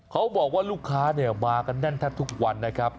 เขาบอกว่าลูกค้ามากันแน่นแทบทุกวันนะครับ